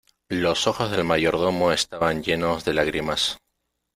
los ojos del mayordomo estaban llenos de lágrimas.